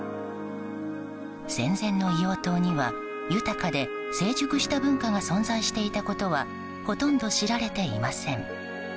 戦前の硫黄島には豊かで成熟した文化が存在していたことはほとんど知られていません。